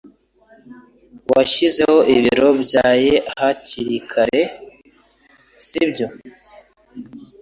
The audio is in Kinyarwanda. Washyizeho ibiro byaye hakirikare, sibyo?